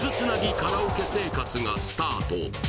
カラオケ生活がスタート